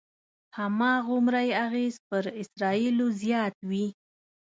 هماغومره یې اغېز پر اسرایلو زیات وي.